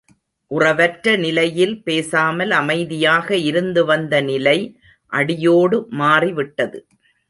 உறவற்ற நிலையில் பேசாமல் அமைதியாக இருந்துவந்த நிலை அடியோடு மாறிவிட்டது.